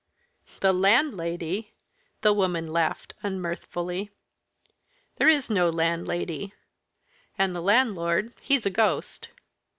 "The landlady!" The woman laughed unmirthfully. "There is no landlady. And the landlord he's a ghost.